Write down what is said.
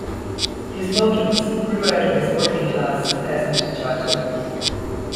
His motives grew out of his working-class peasant childhood.